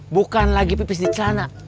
bukan lagi pipis di sana